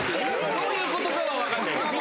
どういうことかは分かんない。